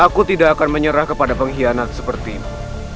aku tidak akan menyerah kepada pengkhianat seperti ini